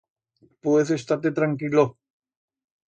Puez estar-te tranquilo.